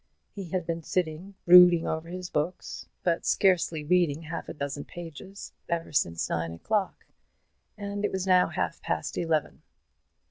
He had been sitting brooding over his books, but scarcely reading half a dozen pages, ever since nine o'clock, and it was now half past eleven.